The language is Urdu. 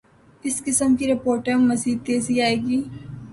اس قسم کی رپورٹوں میںمزید تیزی آئے گی۔